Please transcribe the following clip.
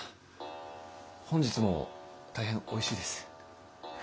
本日も大変おいしいです。